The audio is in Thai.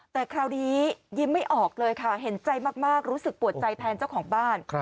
แต่คราวนี้ยิ้มไม่ออกเลยค่ะเห็นใจมากรู้สึกปวดใจแทนเจ้าของบ้าน